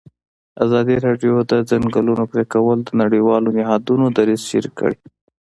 ازادي راډیو د د ځنګلونو پرېکول د نړیوالو نهادونو دریځ شریک کړی.